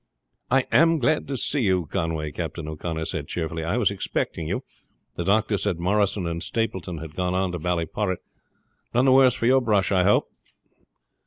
"I am glad to see you, Conway," Captain O'Connor said cheerfully. "I was expecting you. The doctor said Morrison and Stapleton had gone on to Ballyporrit. None the worse for your brush, I hope?"